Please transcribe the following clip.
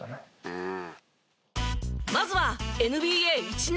「うん」